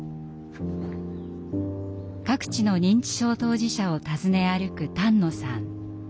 各地の認知症当事者を訪ね歩く丹野さん。